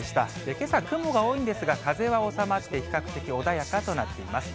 けさ、雲が多いんですが、風は収まって比較的穏やかとなっています。